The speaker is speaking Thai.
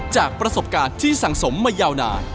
จากประสบการณ์ที่สังสมมายาวนาน